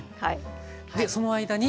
でその間に。